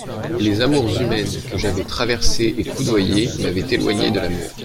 Les amours humaines que j'avais traversées et coudoyées m'avaient éloignée de l'amour.